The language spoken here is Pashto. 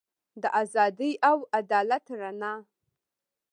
د ازادۍ او عدالت رڼا.